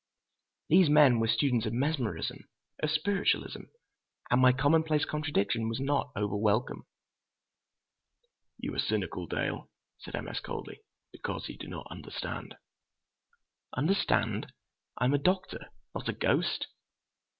These men were students of mesmerism, of spiritualism, and my commonplace contradiction was not over welcome. "You are cynical, Dale," said M. S. coldly, "because you do not understand!" "Understand? I am a doctor—not a ghost!"